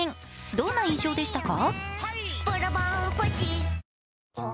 どんな印象でしたか？